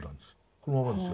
このままですよ。